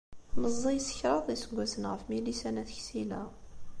Meẓẓiy s kraḍ n yiseggasen ɣef Milisa n At Ksila.